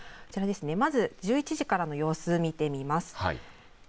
まず１１時からの様子、見てみます。